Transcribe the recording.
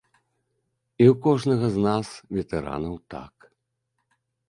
І ў кожнага з нас, ветэранаў, так.